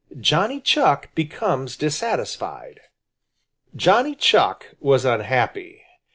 JOHNNY CHUCK BECOMES DISSATISFIED Johnny Chuck was unhappy.